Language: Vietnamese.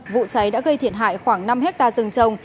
vụ cháy đã gây thiệt hại khoảng năm hectare rừng trồng